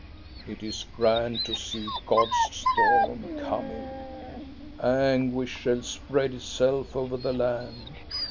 It is grand to see God's storm coming. "Anguish shall spread itself over the land.